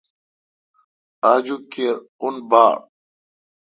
آجوک کِر اوں باڑ۔